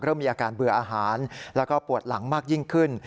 เริ่มมีอาการเบื่ออาหารแล้วก็ปวดหลังมากยิ่งขึ้น